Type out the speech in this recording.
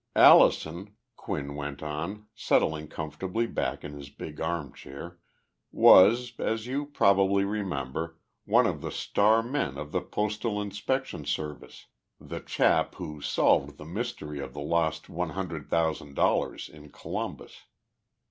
Allison [Quinn went on, settling comfortably back in his big armchair] was, as you probably remember, one of the star men of the Postal Inspection Service, the chap who solved the mystery of the lost one hundred thousand dollars in Columbus.